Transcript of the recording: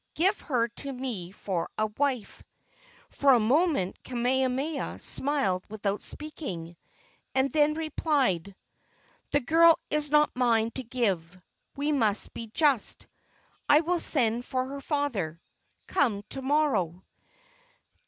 Give her to me for a wife." For a moment Kamehameha smiled without speaking, and then replied: "The girl is not mine to give. We must be just. I will send for her father. Come to morrow."